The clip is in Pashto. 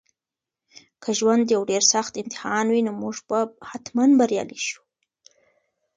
که ژوند یو ډېر سخت امتحان وي نو موږ به حتماً بریالي شو.